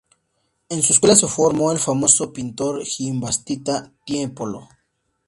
En su escuela se formó el famoso pintor Giambattista Tiepolo.